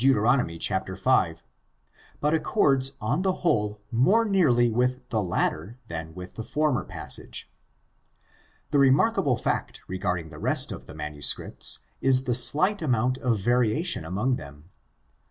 chap. 5, but accords on the whole more nearly with the latter than with the former passage. The remarkable fact regarding the rest of the manuscripts is the slight amount of variation among them.